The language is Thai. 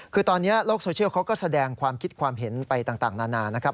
คือตอนนี้โลกโซเชียลเขาก็แสดงความคิดความเห็นไปต่างนานานะครับ